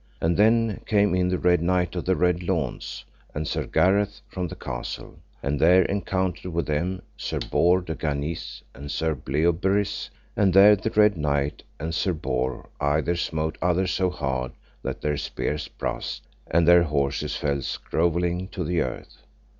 And then came in the Red Knight of the Red Launds, and Sir Gareth, from the castle, and there encountered with them Sir Bors de Ganis and Sir Bleoberis, and there the Red Knight and Sir Bors [either] smote other so hard that their spears brast, and their horses fell grovelling to the earth.